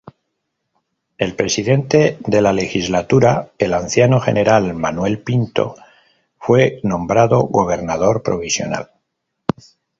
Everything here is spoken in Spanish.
El presidente de la legislatura, el anciano general Manuel Pinto, fue nombrado gobernador provisional.